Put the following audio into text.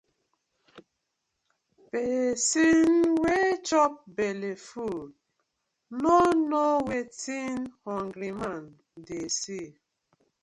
Person wey chop belle full, no know wetin hungry man dey see: